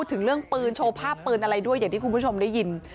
ถึงเรื่องปืนโชว์ภาพปืนอะไรด้วยอย่างที่คุณผู้ชมได้ยิน